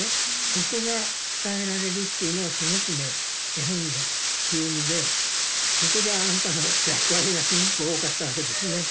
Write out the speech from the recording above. そこが伝えられるっていうのはすごくね絵本の強みでそこであなたの役割がすごく多かったわけですね。